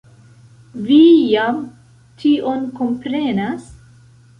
Vi jam tion komprenas?